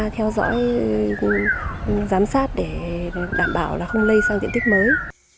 theo dõi giám sát để đảm bảo là không lây sang diện tích mới